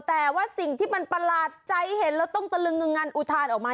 แต่ว่าสิ่งที่มันประหลาดใจเห็นแล้วต้องตะลึงงึงงันอุทานออกมา